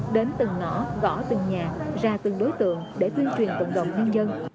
đến từng nõ gõ từng nhà ra từng đối tượng để tuyên truyền cộng đồng nhân dân